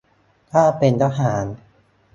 ถ้าเป็นทหาร